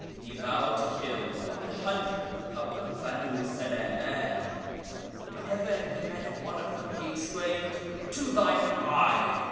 He vowed to kill one hundred of the Benu Salaman. Whenever he met one of them he exclaimed, ' To thine eye